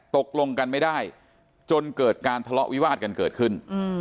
ตกลงกันไม่ได้จนเกิดการทะเลาะวิวาดกันเกิดขึ้น